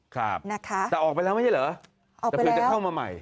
ครับแต่ออกไปแล้วไม่ใช่เหรอแต่คือจะเข้ามาใหม่ออกไปแล้ว